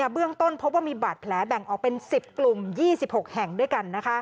เบื้องต้นพบว่ามีบาดแผลแบ่งออกเป็น๑๐กลุ่ม๒๖แห่งด้วยกัน